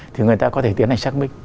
thì người ta có thể tiến hành xác minh